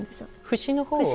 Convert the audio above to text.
節のほうを。